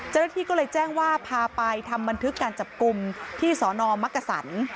เจ้าหน้าที่ก็เลยแจ้งว่าพาไปทำบันทึกการจับกลุ่มที่สนมักกษัน